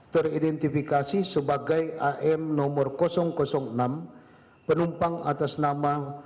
teridentifikasi sebagai am nomor enam penumpang atas nama